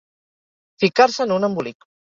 Ficar-se en un embolic.